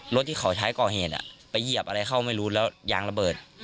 รถที่เขาใช้ก่อเหตุไปเหยียบอะไรเข้าไม่รู้แล้วยางระเบิด